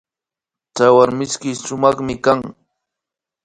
Tsawarmishkika sumakmi kan